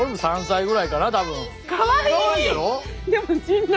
かわいいやろ。